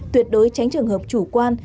tuyệt đối tránh trường hợp chủ quan